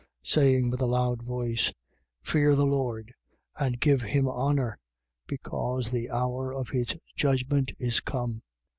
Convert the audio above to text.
Saying with a loud voice: Fear the Lord and give him honour, because the hour of his judgment is come.